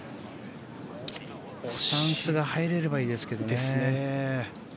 スタンスが入れればいいですけどね。